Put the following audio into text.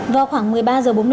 vào khoảng một mươi bảy h